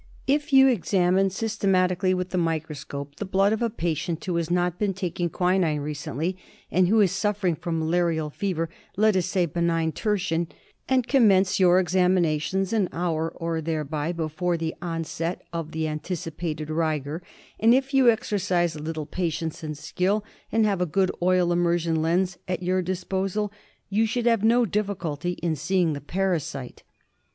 ( If you examine systematically with the microscope the blood of a patient who has not been taking quinine re cently and who is suffering from malarial feyer — let us say benign tertian, and commence your examinations an hour or thereby before the onset of the anticipated rigor, and if you exercise a little patience and skill, and have a good oil immersion lens at your disposal, you should have no difficulty in seeing the parasite.